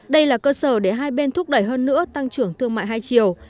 đây là cơ sở để hai bên thúc đẩy hơn nữa tăng trưởng thương mại hai chiều